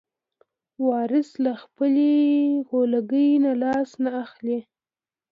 وارث له خپلې غولکې نه لاس نه اخلي.